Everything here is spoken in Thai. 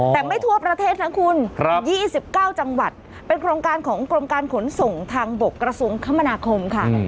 แต่ไม่ทั่วประเทศนะคุณ๒๙จังหวัดเป็นโครงการของกรมการขนส่งทางบกกระทรวงคมนาคมค่ะ